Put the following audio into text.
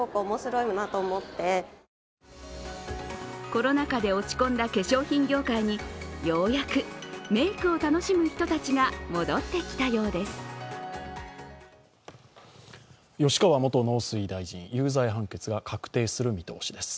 コロナ禍で落ち込んだ化粧品業界に、ようやくメークを楽しむ人たちが戻ってきたようです。